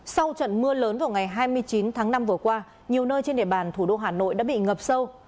sau trận mưa lớn vào ngày hai mươi chín tháng năm vừa qua nhiều nơi trên địa bàn thủ đô hà nội đã bị ngập sâu